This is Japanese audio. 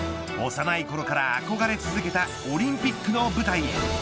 幼いころから憧れ続けたオリンピックの舞台へ。